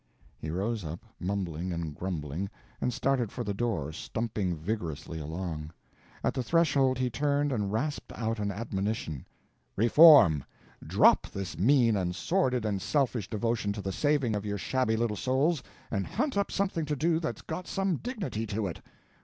He rose up, mumbling and grumbling, and started for the door, stumping vigorously along. At the threshold he turned and rasped out an admonition: "Reform! Drop this mean and sordid and selfish devotion to the saving of your shabby little souls, and hunt up something to do that's got some dignity to it!